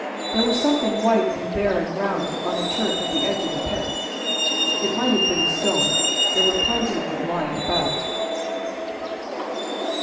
There was something white and bare and round on the turf at the edge of the pit. It might have been a stone; there were plenty of them lying about.